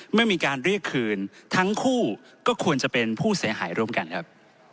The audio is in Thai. เมื่อมีการเรียกคืนทั้งคู่ก็ควรจะเป็นผู้เสียหายร่วมกันครับ